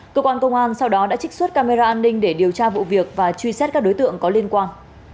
cơ quan công an sau đó đã trích xuất camera an ninh để điều tra vụ việc và truy xét các đối tượng có liên quan